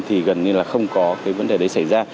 thì gần như là không có cái vấn đề đấy xảy ra